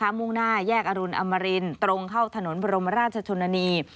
มุ่งหน้าแยกอรุณอมรินตรงเข้าถนนบรมราชชนนานี